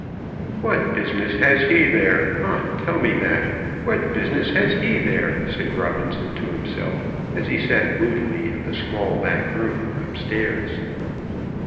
"What business has he there? Ah, tell me that; what business has he there?" said Robinson to himself, as he sat moodily in the small back room upstairs.